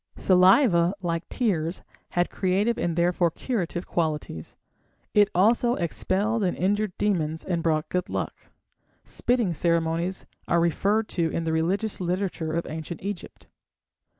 _ Saliva, like tears, had creative and therefore curative qualities; it also expelled and injured demons and brought good luck. Spitting ceremonies are referred to in the religious literature of Ancient Egypt.